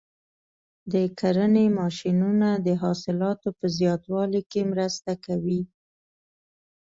د کرنې ماشینونه د حاصلاتو په زیاتوالي کې مرسته کوي.